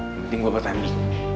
mending gue pertanding